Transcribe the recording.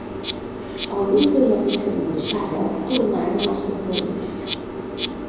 El bisbe i la resta d'ambaixada tornaren al seu país.